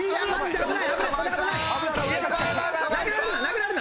危ない！